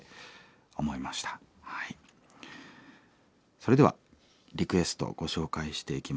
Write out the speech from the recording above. それではリクエストご紹介していきましょう。